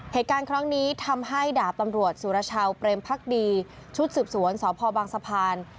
เหตุการณ์ครั้งนี้ทำให้ดาบตำรวจสุรชาวเปรมพักดีชุดสืบสวนสพบางสะพาน